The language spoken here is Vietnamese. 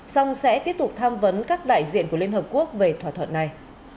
song sẽ tiếp tục tham vấn các đại diện của liên hợp quốc về thỏa thuận này